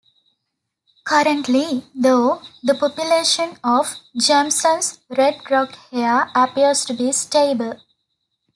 Currently, though, the population of Jameson's red rock hare appears to be stable.